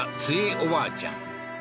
おばあちゃん